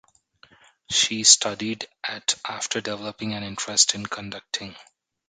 She studied at after developing an interest in conducting.